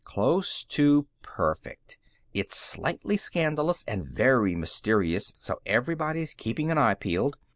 "Close to perfect. It's slightly scandalous and very mysterious, so everybody's keeping an eye peeled.